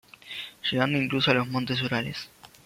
Llegando incluso a los Montes Urales.